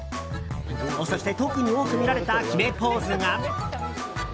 そして特に多く見られた決めポーズが。